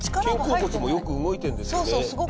肩甲骨もよく動いてるんですよね